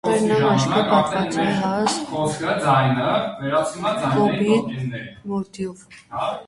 Վերնամաշկը պատված է հաստ, կոպիտ մորթիով։